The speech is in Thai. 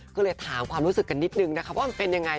ก็เลยถามความรู้สึกกันนิดนึงนะคะว่ามันเป็นยังไง